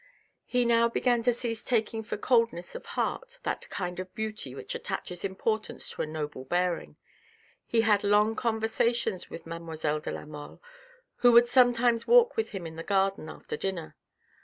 He now began to cease taking for coldness of heart that kind of beauty which attaches importance to a noble bearing. He had long conversations with mademoiselle de la Mole, who would sometimes walk with him in the garden after dinner.